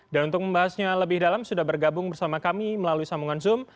dan untuk membahasnya lebih dalam sudah bergabung bersama kami melalui sambungan zoom